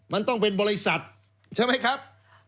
มันต้องเป็นบริษัทใช่ไหมครับ